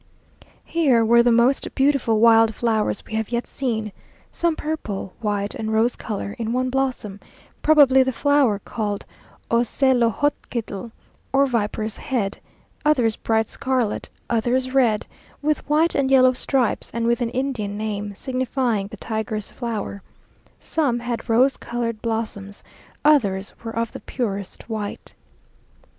Here were the most beautiful wild flowers we have yet seen; some purple, white, and rose colour in one blossom; probably the flower called ocelojochitl, or viper's head, others bright scarlet, others red, with white and yellow stripes, and with an Indian name, signifying the tiger's flower; some had rose coloured blossoms, others were of the purest white.